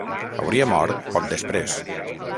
Hauria mort poc després.